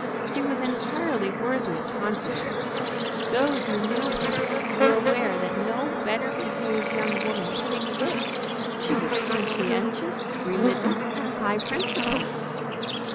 She was entirely worthy of confidence. Those who knew her were aware that no better behaved young woman could exist. She was conscientious, religious, and high principled.